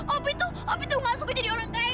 opi tuh opi tuh gak suka jadi orang kaya